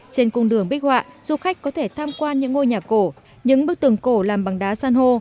trên cung đường bích họa du khách có thể tham quan những ngôi nhà cổ những bức tường cổ làm bằng đá san hô